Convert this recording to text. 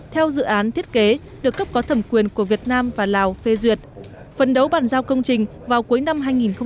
theo dự án thiết kế được cấp có thẩm quyền của việt nam và lào phê duyệt phân đấu bàn giao công trình vào cuối năm hai nghìn hai mươi